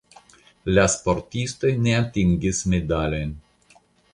La sportistoj ne atingis medalojn.